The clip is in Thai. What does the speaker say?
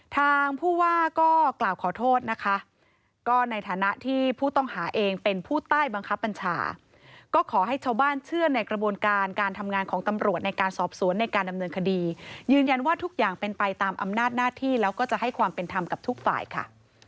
ทางผู้ว่าก็กล่าวขอโทษนะคะก็ในฐานะที่ผู้ต้องหาเองเป็นผู้ใต้บังคับบัญชาก็ขอให้ชาวบ้านเชื่อในกระบวนการการทำงานของตำรวจในการสอบสวนในการดำเนินคดียืนยันว่าทุกอย่างเป็นไปตามอำนาจหน้าที่แล้วก็จะให้ความเป็นธรรมกับทุกฝ่ายค่ะ